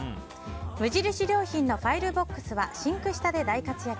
無印良品のファイルボックスはシンク下で大活躍。